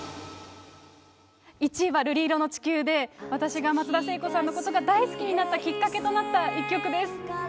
１位は瑠璃色の地球で、私が松田聖子さんのことが大好きになったきっかけとなった一曲です。